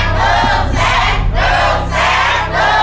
ถ้าถูกก็หนุ่มฝันค่ะ